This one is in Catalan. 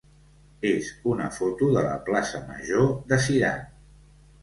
és una foto de la plaça major de Cirat.